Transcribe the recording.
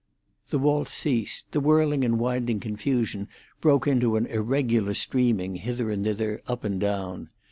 The waltz ceased; the whirling and winding confusion broke into an irregular streaming hither and thither, up and down.